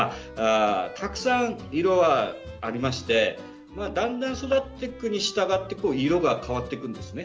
たくさん色がありましてだんだん育っていくにしたがって色が変わっていくんですね。